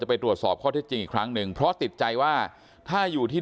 ไปตรวจสอบข้อเท็จจริงอีกครั้งหนึ่งเพราะติดใจว่าถ้าอยู่ที่